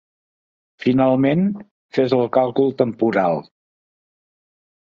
Finalment, fes el càlcul temporal.